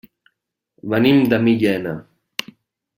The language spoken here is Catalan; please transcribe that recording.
Venim de Millena.